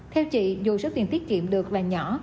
theo chị dù số tiền tiết kiệm được là nhỏ